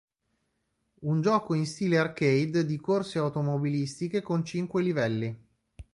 Un gioco in stile arcade di corse automobilistiche con cinque livelli.